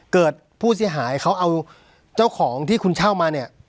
เกิดผู้เสียหายเขาเอาเจ้าของที่คุณเช่ามาเนี่ย